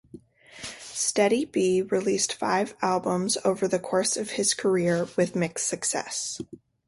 Steady B released five albums over the course of his career, with mixed success.